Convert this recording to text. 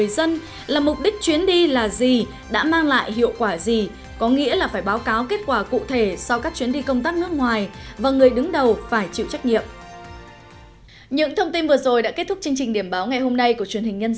xin kính chào và hẹn gặp lại